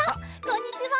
こんにちは！